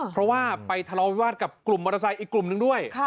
เพราะว่าไปทะเลาวิวาสกับกลุ่มมอเตอร์ไซค์อีกกลุ่มนึงด้วย